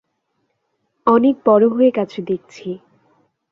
অনেক বড় হয়ে গেছো দেখছি।